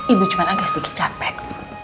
ibu cuma agak sedikit capek